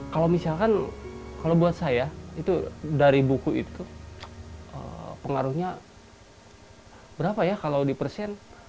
kalau misalkan kalau buat saya itu dari buku itu pengaruhnya berapa ya kalau di persen